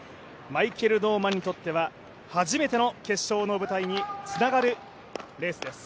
マイケル・ノーマンにとっては初めての決勝の舞台につながるレースです。